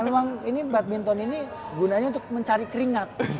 memang ini badminton ini gunanya untuk mencari keringat